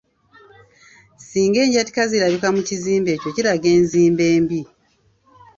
Singa enjatika zirabika mu kizimbe ekyo kiraga enzimba embi.